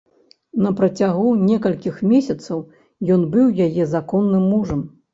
На працягу некалькіх месяцаў ён быў яе законным мужам.